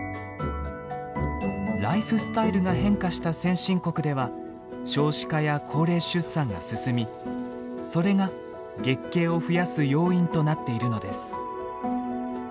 ライフスタイルが変化した先進国では少子化や高齢出産が進みそれが月経を増やす要因となっているのです。